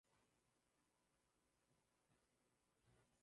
Leta chakula kitamu tule